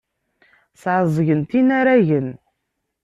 Sɛeẓgent inaragen.